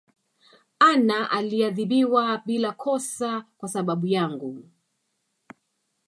Anna aliadhibiwa bila kosa kwasababu yangu